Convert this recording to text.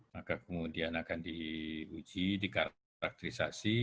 maka kemudian akan diuji dikarakterisasi